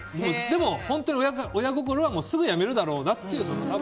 でも、本当に親心はすぐやめるだろうなって。